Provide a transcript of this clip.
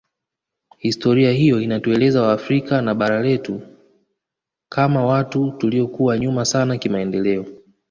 Historia hiyo inatuelezea waafrika na bara letu kama watu tuliokuwa nyuma sana kimaendeleo